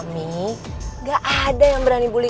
kamu enggak usah kuatir selama ada mamamu